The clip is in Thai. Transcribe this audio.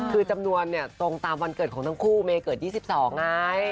คือจำนวนเนี่ยตรงตามวันเกิดของทั้งคู่เมย์เกิด๒๒ไง